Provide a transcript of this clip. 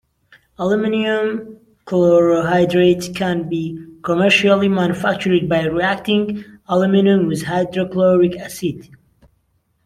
Aluminium chlorohydrate can be commercially manufactured by reacting aluminium with hydrochloric acid.